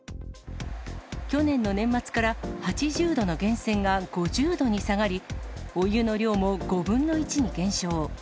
去年の年末から８０度の源泉が５０度に下がり、お湯の量も５分の１に減少。